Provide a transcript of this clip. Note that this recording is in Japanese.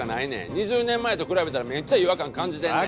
２０年前と比べたらめっちゃ違和感感じてんねん。